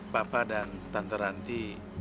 papa dan tante ranti